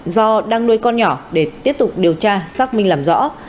do đang nuôi con nhỏ để tiếp tục điều tra xác minh làm rõ